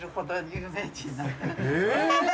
え！？